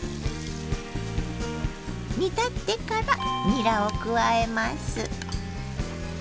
煮立ってからにらを加えます。